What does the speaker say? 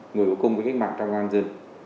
người có công với cách mạng trong công an dân